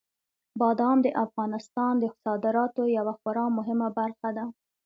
بادام د افغانستان د صادراتو یوه خورا مهمه برخه ده.